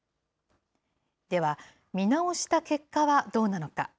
では、見直した結果はどうなのか。